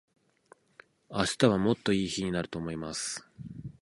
明日はもっと良い日になると思います。